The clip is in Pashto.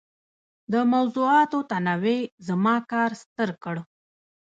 د موضوعاتو تنوع زما کار ستر کړ.